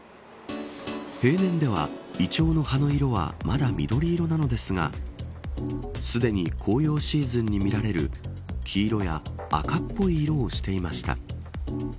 平年ではイチョウの葉の色はまだ緑色なのですがすでに紅葉シーズンに見られる黄色や赤っぽい色をしていました。